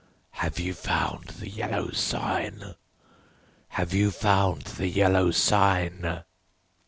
"Have you found the Yellow Sign?" "Have you found the Yellow Sign?"